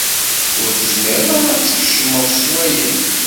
Ur tezmireḍ ara ad tkecmeḍ s wayen.